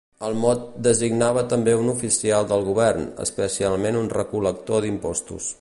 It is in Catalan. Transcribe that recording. El mot designava també un oficial del govern, especialment un recol·lector d'impostos.